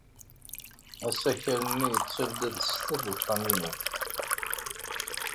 Asakal-nni yettabdad sdat uxxam-inu.